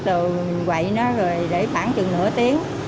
rồi mình quậy nó để khoảng chừng nửa tiếng